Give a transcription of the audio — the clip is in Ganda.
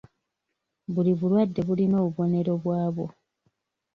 Buli bulwadde bulina obubonero bwabwo.